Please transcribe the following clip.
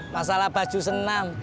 masalah baju senam